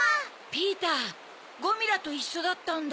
ピーターゴミラといっしょだったんだ。